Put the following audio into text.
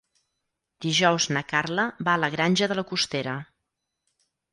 Dijous na Carla va a la Granja de la Costera.